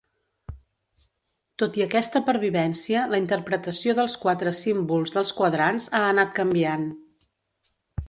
Tot i aquesta pervivència, la interpretació dels quatre símbols dels quadrants ha anat canviant.